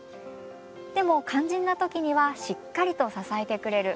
でも肝心な時にはしっかりと支えてくれる。